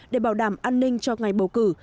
để bảo đảm an ninh cho ngày bầu cử